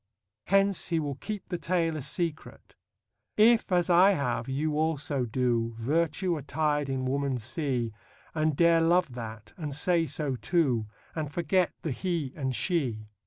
Hence he will keep the tale a secret: If, as I have, you also do, Virtue attir'd in woman see, And dare love that, and say so too, And forget the He and She.